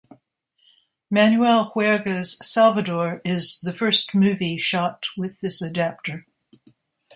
Manuel Huerga's "Salvador" is the first movie shot with this adaptor.